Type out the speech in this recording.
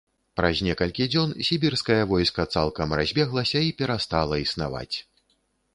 Праз некалькі дзён, сібірскае войска цалкам разбеглася і перастала існаваць.